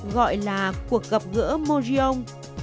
gọi là cuộc gặp gỡ morion